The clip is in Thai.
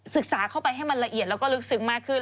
เข้าไปให้มันละเอียดแล้วก็ลึกซึ้งมากขึ้น